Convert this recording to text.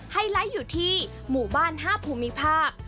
ไลท์อยู่ที่หมู่บ้าน๕ภูมิภาค